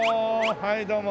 はいどうも。